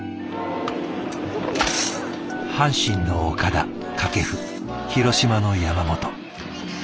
阪神の岡田掛布広島の山本。